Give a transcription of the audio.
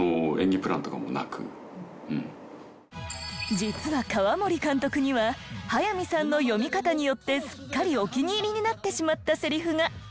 実は河森監督には速水さんの読み方によってすっかりお気に入りになってしまったセリフが。